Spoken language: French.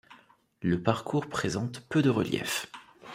Le parcours présente peu de relief.